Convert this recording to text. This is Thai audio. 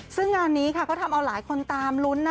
ซึ่งงานนี้ก็ทำเอาหลายคนตามลุ้น